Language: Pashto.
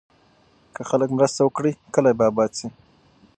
که خلک مرسته وکړي، کلي به اباد شي.